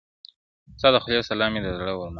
ستا د خولې سلام مي د زړه ور مات كړ.